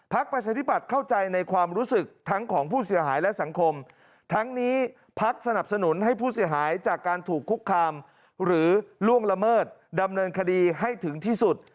ประชาธิบัติเข้าใจในความรู้สึกทั้งของผู้เสียหายและสังคมทั้งนี้พักสนับสนุนให้ผู้เสียหายจากการถูกคุกคามหรือล่วงละเมิดดำเนินคดีให้ถึงที่สุด